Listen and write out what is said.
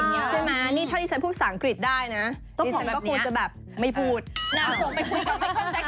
ว่าใช่ไหมนี่ถ้าดิฉันพูดสางกฤษได้นะผมก็พูดจะแบบไม่พูดน้ำโขลงไปคุยกับเป็นคน